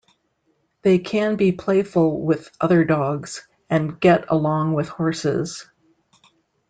They can be playful with other dogs, and get along with horses.